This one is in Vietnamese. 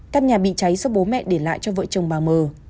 các nhà bị cháy do bố mẹ để lại cho vợ chồng bà m